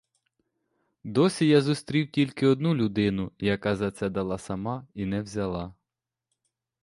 Досі я зустрів тільки одну людину, яка за це дала сама і не взяла.